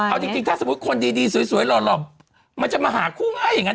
เอาจริงถ้าสมมติคนดีสวยหลอดมันจะมาหาคู่ไง